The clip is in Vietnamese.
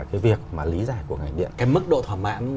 cái việc mà lý giải của ngành điện cái mức độ thoả mãn